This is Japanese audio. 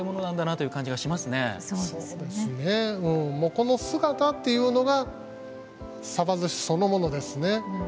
この姿っていうのがさばずしそのものですね。